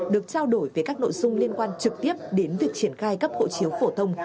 được trao đổi về các nội dung liên quan trực tiếp đến việc triển khai cấp hộ chiếu phổ thông